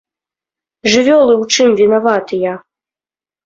Жывёлы ў чым вінаватыя.